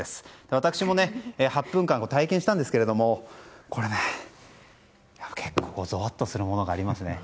私も８分間体験したんですけれどもこれ、結構ぞわっとするものがありますね。